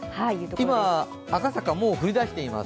今、赤坂もう降りだしています。